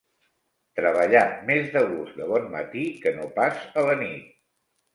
Treballa més de gust de bon matí que no pas a la nit.